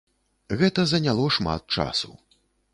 Гэта заняло шмат часу.